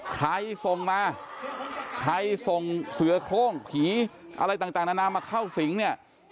ใครส่งมาใครส่งเสือโครงผีอะไรต่างนานามาเข้าสิงเนี่ย